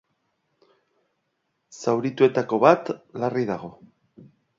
Zaurituetako bat larri dago.